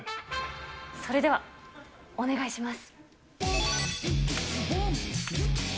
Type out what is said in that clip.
それでは、お願いします。